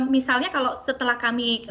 misalnya kalau setelah kami